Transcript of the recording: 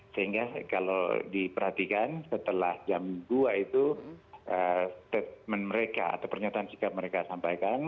sehingga kalau diperhatikan setelah jam dua itu statement mereka atau pernyataan sikap mereka sampaikan